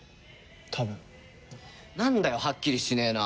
なんだよはっきりしねえな！